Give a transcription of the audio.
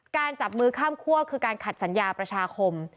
จับมือข้ามคั่วคือการขัดสัญญาประชาคม